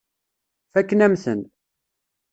Fakken-am-ten.